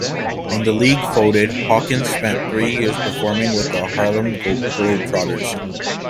When that league folded, Hawkins spent three years performing with the Harlem Globetrotters.